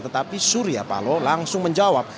tetapi surya paloh langsung menjawab